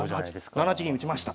７八銀打ちました。